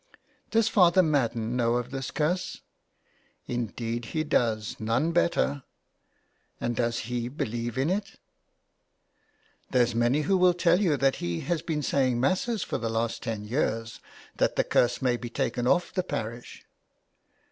'' Does Father Madden know of this curse ?"" Indeed he does ; none better." " And does he believe in it ?" 204 JULIA CAHILL'S CURSE. There's many who will tell you that he has been saying Masses for the last ten years, that the curse may be taken off the parish."